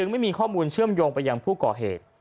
ไม่มีข้อมูลเชื่อมโยงไปยังผู้ก่อเหตุ